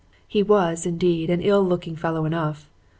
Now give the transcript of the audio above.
He was, indeed, an ill looking fellow enough.